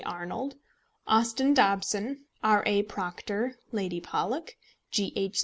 Arnold, Austin Dobson, R. A. Proctor, Lady Pollock, G. H.